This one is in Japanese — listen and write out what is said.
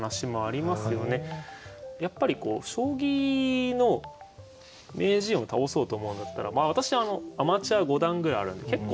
やっぱり将棋の名人を倒そうと思うんだったら私アマチュア五段ぐらいあるんで結構強いんですけど。